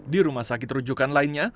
di rumah sakit rujukan lainnya